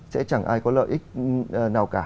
sẽ chẳng ai có lợi ích nào cả